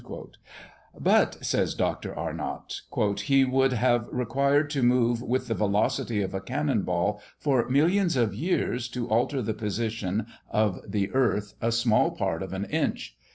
"But," says Dr. Arnott, "he would have required to move with the velocity of a cannon ball for millions of years, to alter the position of the earth a small part of an inch.